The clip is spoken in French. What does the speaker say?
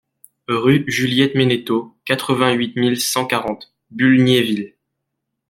Rue Juliette Ménéteau, quatre-vingt-huit mille cent quarante Bulgnéville